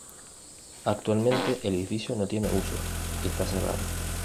Actualmente el edificio no tiene uso y está cerrado.